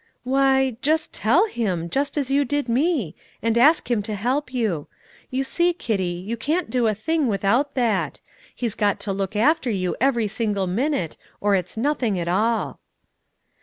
"Why, just tell Him, just as you did me, and ask Him to help you. You see, Kitty, you can't do a thing without that; He's got to look after you every single minute, or it's nothing at all."